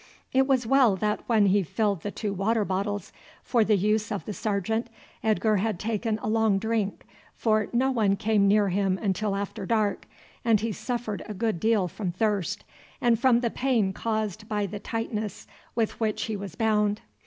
It was well that when he filled the two water bottles for the use of the sergeant Edgar had taken a long drink, for no one came near him until after dark, and he suffered a good deal from thirst, and from the pain caused by the tightness with which he was bound.